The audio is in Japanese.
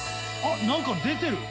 何か出てる！